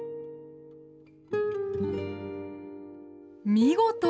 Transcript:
見事！